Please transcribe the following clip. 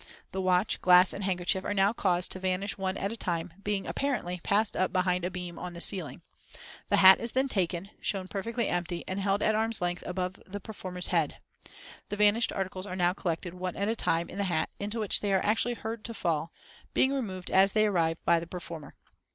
The watch, glass, and handkerchief are now caused to vanish one at a time, being, apparently, passed up behind a beam on the ceiling. The hat is then taken, shown perfectly empty, and held at arm's length above the performer's head. The vanished articles are now collected, one at a time, in the hat, into which they are actually heard to fall, being removed as they arrive by the performer.